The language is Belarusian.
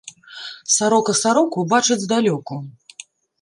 Сарока сароку бачыць здалёку